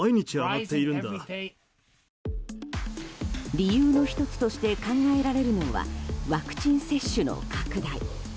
理由の１つとして考えられるのはワクチン接種の拡大。